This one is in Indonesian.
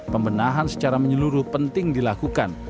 pembenahan secara menyeluruh penting dilakukan